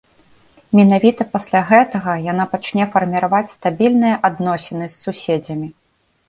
Менавіта пасля гэтага яна пачне фарміраваць стабільныя адносіны з суседзямі.